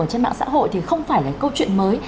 trên mạng xã hội thì không phải là câu chuyện mới